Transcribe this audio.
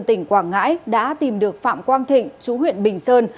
tỉnh quảng ngãi đã tìm được phạm quang thịnh chú huyện bình sơn